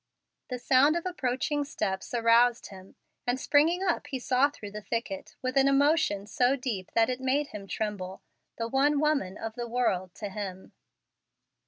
The sound of approaching steps aroused him, and springing up he saw through the thicket, with an emotion so deep that it made him tremble, the one woman of the world to him.